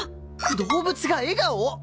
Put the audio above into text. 動物が笑顔！？